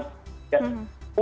dan fungsi segala macam itu